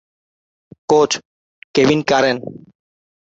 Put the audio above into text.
coach: Kevin current